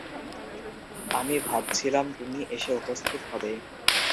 আমি ভাবছিলাম তুমি এসে উপস্থিত হবে।